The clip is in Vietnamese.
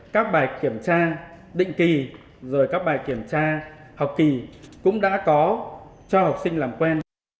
các bài kiểm tra định kỳ rồi các bài kiểm tra học kỳ cũng đã có cho học sinh làm quen